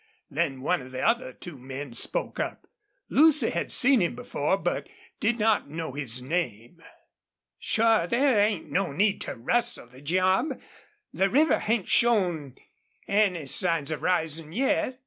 Then one of the other two men spoke up. Lucy had seen him before, but did not know his name. "Sure there ain't any need to rustle the job. The river hain't showed any signs of risin' yet.